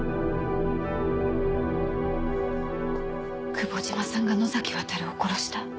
久保島さんが能崎亘を殺した？